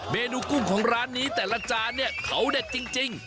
เมนูกุ้งของร้านนี้แต่ละจานเนี่ยเขาเด็ดจริง